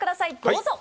どうぞ。